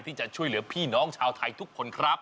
ที่จะช่วยเหลือพี่น้องชาวไทยทุกคนครับ